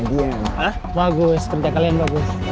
bagus kerja kalian bagus